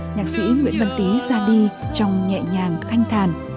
nhạc sĩ nguyễn văn tý ra đi trong nhẹ nhàng thanh thàn